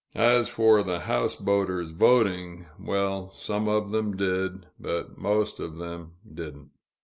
As for the houseboaters voting well, some of them did, but the most of them didn't.